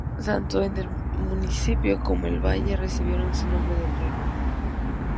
Tanto el municipio como el valle reciben su nombre del río.